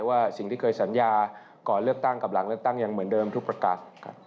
ว่าสิ่งที่เคยสัญญาก่อนเลือกตั้งกับหลังเลือกตั้งยังเหมือนเดิมทุกประกาศ